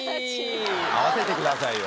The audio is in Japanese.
合わせてくださいよ。